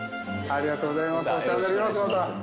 ありがとうございます。